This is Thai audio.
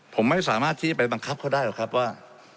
ผมไม่สามารถที่ไปบังคับเขาได้หรอกครับว่า